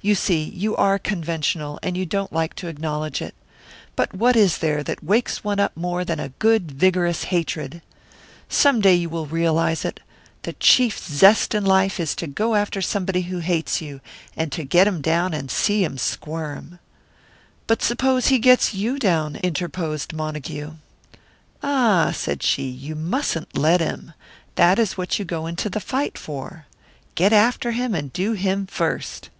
You see, you are conventional, and you don't like to acknowledge it. But what is there that wakes one up more than a good, vigorous hatred? Some day you will realise it the chief zest in life is to go after somebody who hates you, and to get him down and see him squirm." "But suppose he gets you down?" interposed Montague. "Ah!" said she, "you mustn't let him! That is what you go into the fight for. Get after him, and do him first."